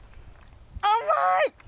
甘い！